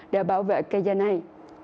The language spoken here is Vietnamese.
để bảo vệ cây da này